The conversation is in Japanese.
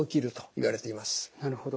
なるほど。